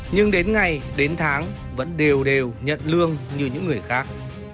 nhưng đến ngày đến tháng vẫn đều đều nhận lương như những người khác